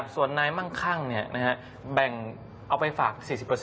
ส่วนนายมั่งคั่งแบ่งเอาไปฝาก๔๐